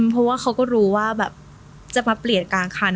เพราะว่าเขาก็รู้ว่าแบบจะมาเปลี่ยนกลางคัน